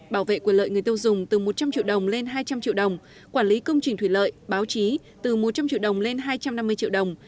bảo vệ quyền lợi người tiêu dùng từ một trăm linh triệu đồng lên hai trăm linh triệu đồng quản lý công trình thủy lợi báo chí từ một trăm linh triệu đồng lên hai trăm năm mươi triệu đồng